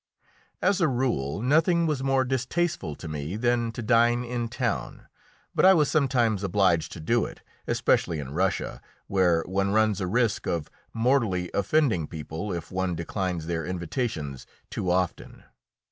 As a rule, nothing was more distasteful to me than to dine in town, but I was sometimes obliged to do it, especially in Russia, where one runs a risk of mortally offending people if one declines their invitations too often.